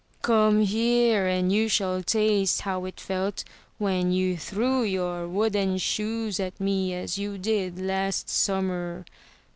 "Come here, and you shall taste how it felt when you threw your wooden shoes at me, as you did last summer!"